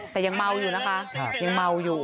แต่ยังเมาอยู่นะคะ